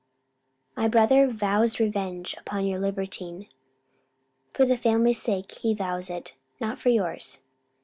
My brother vows revenge upon your libertine for the family's sake he vows it not for yours!